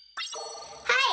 はい！